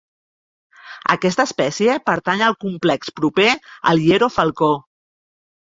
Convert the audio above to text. Aquesta espècie pertany al complex proper al hierofalcó.